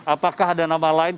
apakah ada nama lain